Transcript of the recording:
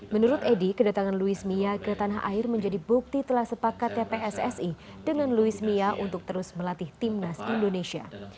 menurut edi kedatangan luismia ke tanah air menjadi bukti telah sepakatnya pssi dengan luismia untuk terus melatih tim nasional indonesia